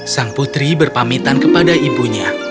sang putri berpamitan kepada ibunya